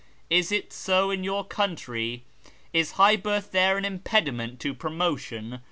Is it so in your country ? Is high birth there an impediment to promotion